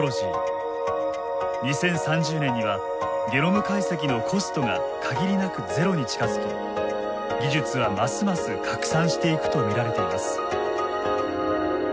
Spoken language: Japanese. ２０３０年にはゲノム解析のコストが限りなくゼロに近づき技術はますます拡散していくと見られています。